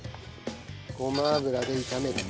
ごま油で炒める。